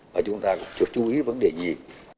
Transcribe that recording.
và chúng ta chú ý vấn đề gì